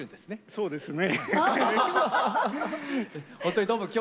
そうですね。